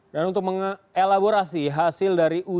dan untuk mengelaborasi hasil dari ujiannya